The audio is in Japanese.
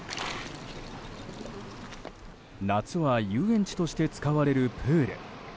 夏は遊園地として使われるプール。